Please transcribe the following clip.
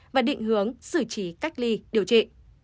và định hướng xử trí cách ly điều trị